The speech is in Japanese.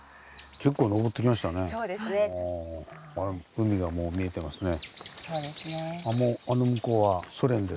海がもう見えてますね。